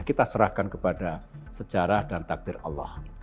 kita serahkan kepada sejarah dan takdir allah